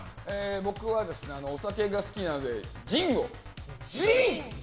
僕はお酒が好きなのでジンを。